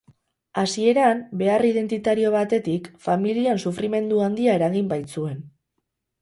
Hasieran, behar identitario batetik, familian sufrimendu handia eragin baitzuen.